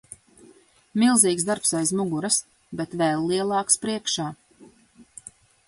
Milzīgs darbs aiz muguras, bet vēl lielāks priekšā.